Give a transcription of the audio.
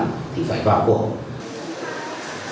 thì phải vào cuộc